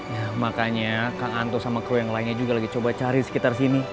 ya makanya kak anto sama crew yang lainnya juga lagi coba cari sekitar sini